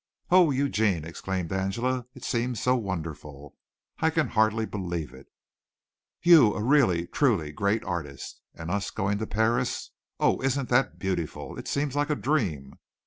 "Oh, Eugene," exclaimed Angela, "it seems so wonderful. I can hardly believe it. You a really, truly, great artist! And us going to Paris! Oh, isn't that beautiful. It seems like a dream.